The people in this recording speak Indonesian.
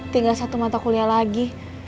tinggal satu mata kuliah lagi